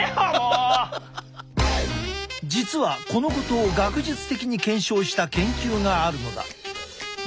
実はこのことを学術的に検証した研究があるのだ。